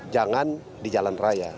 jangan di jalan raya